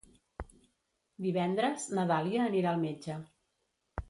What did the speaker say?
Divendres na Dàlia anirà al metge.